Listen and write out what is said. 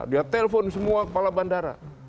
dia telpon semua kepala bandara